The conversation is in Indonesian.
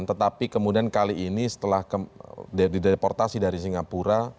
tetapi kemudian kali ini setelah dideportasi dari singapura